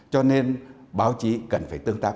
cho nên báo chí cần phải tương tác